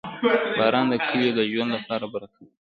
• باران د کلیو د ژوند لپاره برکت دی.